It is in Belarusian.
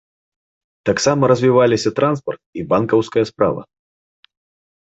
Таксама развіваліся транспарт і банкаўская справа.